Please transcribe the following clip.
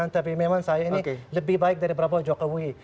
tapi memang saya ini lebih baik dari prabowo jokowi